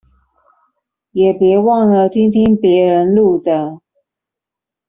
也別忘了聽聽別人錄的